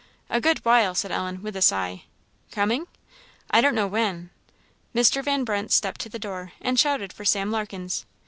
"A good while," said Ellen, with a sigh. "Coming?" "I don't know when." Mr. Van Brunt stepped to the door, and shouted for Sam Larkens.